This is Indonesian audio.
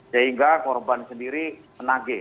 sehingga korban sendiri menagih